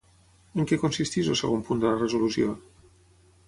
En què consisteix el segon punt de la resolució?